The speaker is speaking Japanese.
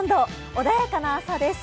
穏やかな朝です。